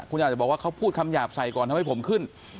คุณอาจจะบอกว่าเขาพูดคำหยาบใส่ก่อนทำให้ผมขึ้น